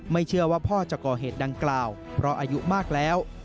เชื่อว่าพ่อจะก่อเหตุดังกล่าวเพราะอายุมากแล้ว